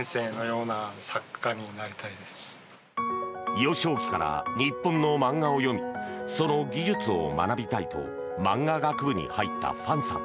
幼少期から日本の漫画を読みその技術を学びたいとマンガ学部に入ったファンさん。